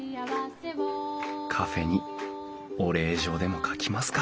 カフェにお礼状でも書きますか！